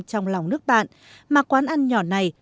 trong lòng nước bạn mà quán ăn nhỏ này